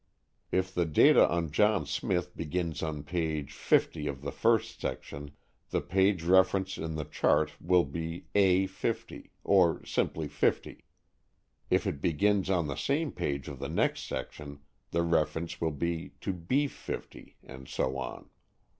If the data on John Smith begins on page 50 of the first section, the page reference in the chart will be A50, or simply 50. If it begins on the same page of the next section, the reference will be to B50, and so on.